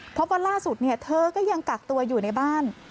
เพราะว่าล่าสุดเธอก็ยังกักตัวอยู่ในบ้าน